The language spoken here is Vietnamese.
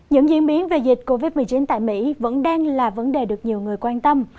những diễn biến về dịch covid một mươi chín tại mỹ vẫn đang là vấn đề được nhiều người quan tâm